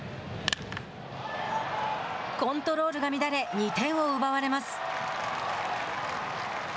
コントロールが乱れ２点を奪われます。